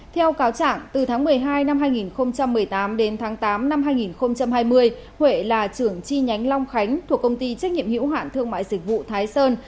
theo cáo trạng từ tháng một mươi hai năm hai nghìn một mươi tám đến tháng tám năm hai nghìn hai mươi huệ là trưởng chi nhánh long khánh thuộc công ty trách nhiệm hữu hạn thương mại dịch vụ thái sơn